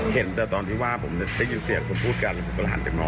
เห็นแต่เวลาที่ผมได้ยินเสียจะพูดกันแล้วผมก็ยันหัน